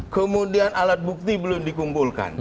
kemudian alat bukti belum dikumpulkan